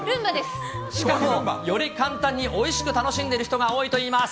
しかもより簡単においしく楽しんでいる人が多いといいます。